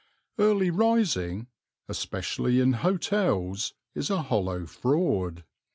Early rising, especially in hotels, is a hollow fraud.